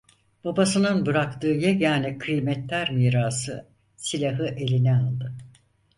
Babasının bıraktığı yegâne kıymettar mirası, silahı eline aldı.